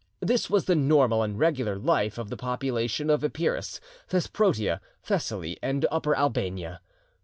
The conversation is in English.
This was the normal and regular life of the population of Epirus, Thesprotia, Thessaly, and Upper Albania.